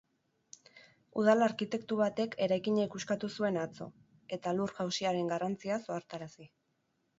Udal arkitektu batek eraikina ikuskatu zuen atzo, eta lur-jausiaren garrantziaz ohartarazi.